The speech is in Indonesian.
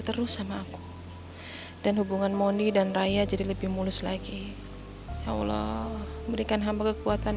terus sama aku dan hubungan moni dan raya jadi lebih mulus lagi ya allah memberikan hamba kekuatan